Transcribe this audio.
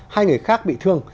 hai người khác bị thương